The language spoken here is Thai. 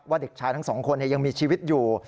เด็กชายทั้งสองคนยังมีชีวิตอยู่